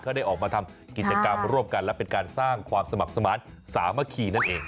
ได้ออกมาทำกิจกรรมร่วมกันและเป็นการสร้างความสมัครสมาธิสามัคคีนั่นเอง